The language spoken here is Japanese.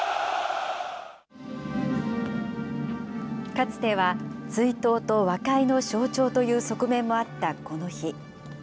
かつては追悼と和解の象徴という側面もあった、この日。